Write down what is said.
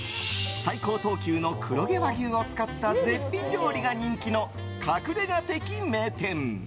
最高等級の黒毛和牛を使った絶品料理が人気の隠れ家的名店。